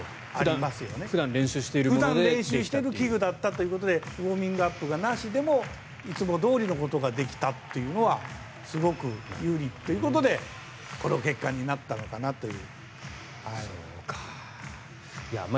普段練習している器具だったということでウォーミングアップがなしでもいつもどおりのことができたというのはすごく有利ということでこの結果になったのかなという。